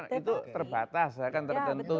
itu terbatas ya kan tertentu